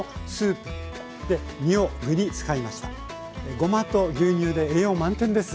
ごまと牛乳で栄養満点です。